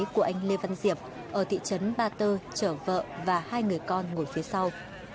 của anh lê văn diệp ở thị trấn ba tơ chở vợ và hai người con ngồi phía sau